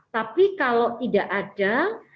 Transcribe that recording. tapi kalau tidak ada